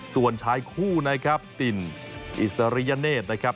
ส่วนชายคู่นะครับติ่นอิสริยเนธนะครับ